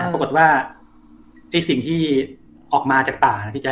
ปรากฏว่าสิ่งที่ออกมาจากป่า